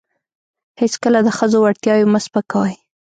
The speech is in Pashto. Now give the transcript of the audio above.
هیڅکله د ښځو وړتیاوې مه سپکوئ.